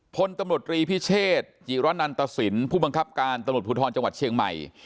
พลตำรวจรีพิเชษจิระนันตสินผู้บังคับการตำรวจภูทรจังหวัดเชียงใหม่